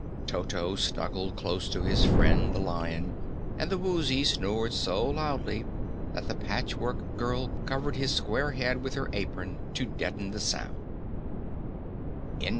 Toto snuggled close to his friend the Lion, and the Woozy snored so loudly that the Patchwork Girl covered his square head with her apron to deaden the sound.